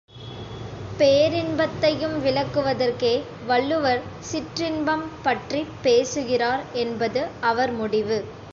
பேரின்பத்தையும் விளக்குவதற்கே வள்ளுவர் சிற்றின்பம் பற்றிப் பேசுகிறார் என்பது அவர் முடிவு.